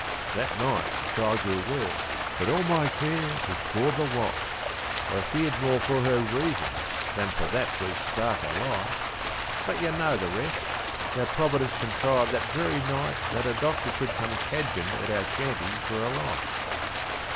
That night the child grew worse, but all my care was for the wife; I feared more for her reason than for that wee spark o' life.... But you know the rest how Providence contrived that very night That a doctor should come cadgin' at our shanty for a light....